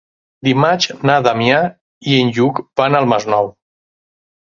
Dimarts na Damià i en Lluc van al Masnou.